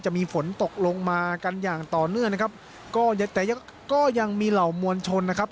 จะมีฝนตกลงมากันอย่างต่อเนื่องนะครับก็ยังแต่ก็ยังมีเหล่ามวลชนนะครับ